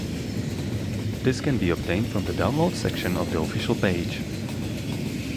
This can be obtained from the downloads section of the official page.